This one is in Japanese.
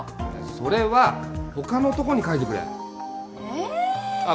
それは他のとこに書いてくれえあっ